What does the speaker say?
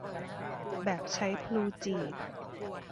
แบบใช้พลูจีบ